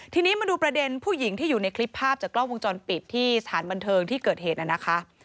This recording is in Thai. ทีนี้มาดูประเด็นผู้หญิงที่อยู่ในคลิปภาพจากกล้องวงจรปิดที่สถานบันเทิงที่เกิดเหตุน่ะนะคะ